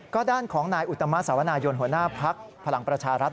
ก็ด้านของนายอุตมะสาวนายนหัวหน้าพักพลังประชารัฐ